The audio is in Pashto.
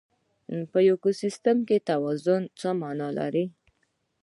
په ایکوسیستم کې توازن څه مانا لري؟